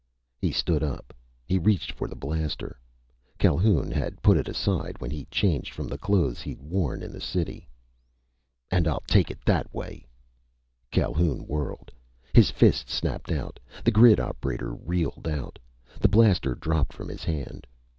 He stood up. He reached for the blaster Calhoun had put aside when he changed from the clothes he'd worn in the city. "...And I'll take it that way!" Calhoun whirled. His fist snapped out. The grid operator reeled out. The blaster dropped from his hand.